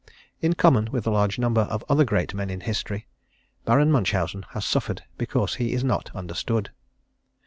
In common with a large number of other great men in history Baron Munchausen has suffered because he is not understood.